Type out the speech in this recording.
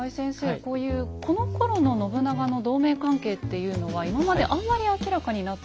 こういうこのころの信長の同盟関係っていうのは今まであんまり明らかになってないんでしょうか。